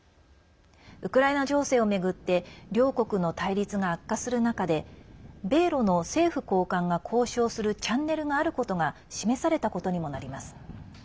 ウクライナ情勢を巡って両国の対立が悪化する中で米ロの政府高官が交渉するチャンネルがあることが示されたことにもなります。